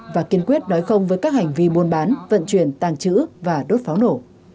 và kiên quyết nói không với các hành vi buôn bán vận chuyển tàng trữ và đốt pháo nổ